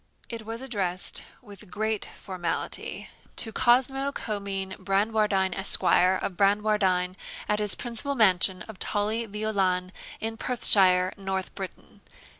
It was addressed, with great formality, 'To Cosmo Comyne Bradwardine, Esq., of Bradwardine, at his principal mansion of Tully Veolan, in Perthshire, North Britain.